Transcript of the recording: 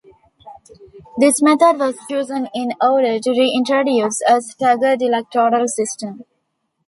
This method was chosen in order to reintroduce a staggered electoral system.